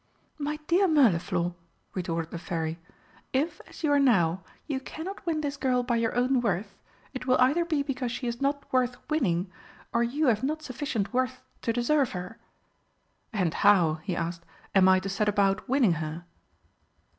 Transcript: "My dear Mirliflor," retorted the Fairy, "if, as you are now, you cannot win this girl by your own worth, it will either be because she is not worth winning or you have not sufficient worth to deserve her." "And how," he asked, "am I to set about winning her?"